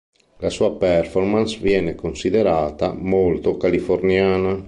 La sua performance viene considerata "molto californiana".